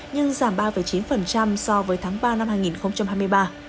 nhưng giảm ba chín so với tháng ba năm hai nghìn hai mươi ba